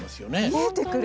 見えてくる。